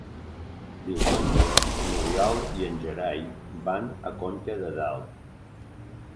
Diumenge n'Oriol i en Gerai van a Conca de Dalt.